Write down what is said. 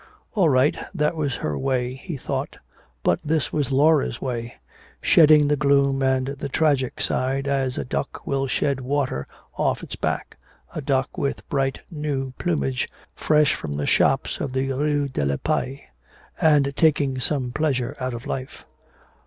All right, that was her way, he thought. But this was Laura's way, shedding the gloom and the tragic side as a duck will shed water off its back, a duck with bright new plumage fresh from the shops of the Rue de la Paix and taking some pleasure out of life!